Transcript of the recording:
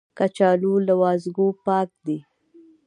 کچالو له وازګو پاک دي